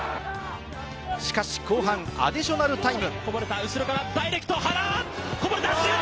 しかし後半、アディショナルタイム。